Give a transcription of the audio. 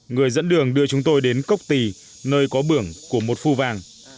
người dẫn đường đưa chúng tôi đến cốc tì nơi có bưởng của một phu vàng